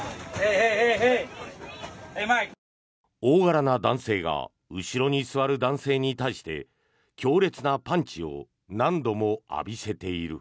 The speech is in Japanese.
大柄な男性が後ろに座る男性に対して強烈なパンチを何度も浴びせている。